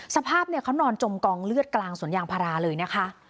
สภาพเนี่ยเขานอนจมกองเลือดกลางสวนยางพาราเลยนะคะ